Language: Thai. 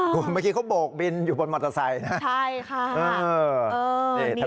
คุณเมื่อกี้เขาโบกบินอยู่บนมอเตอร์ไซค์นะใช่ค่ะ